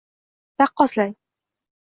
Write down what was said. Taqqoslang: